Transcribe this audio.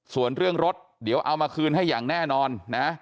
ส่วนเรื่องรถเดี๋ยวเอามาคืนให้อย่างแน่นอนนะ